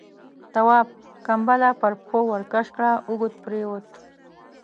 تواب ، کمپله پر پښو ورکش کړه، اوږد پرېووت.